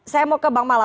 saya mau ke bang mala